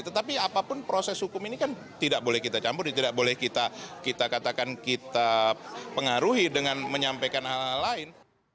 tetapi apapun proses hukum ini kan tidak boleh kita campur tidak boleh kita katakan kita pengaruhi dengan menyampaikan hal hal lain